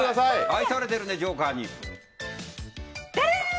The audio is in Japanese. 愛されてるね、ジョーカーに。